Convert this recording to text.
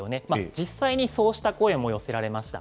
実際にそうした声も寄せられました。